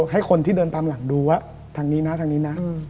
ให้คนที่เดินตามหลังดูว่าทางนี้นะทางนี้นะ